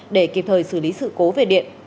để kịp thời xử lý sự cố về điện